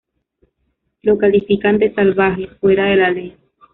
Lo califican de "salvaje, fuera de la ley".